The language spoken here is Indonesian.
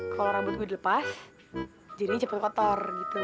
kalau rambut gue dilepas jadinya cepet kotor gitu